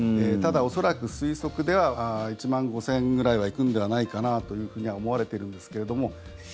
ただ、恐らく推測では１万５０００ｋｍくらいは行くのではないかなとは思われているんですけども。